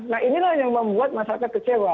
nah inilah yang membuat masyarakat kecewa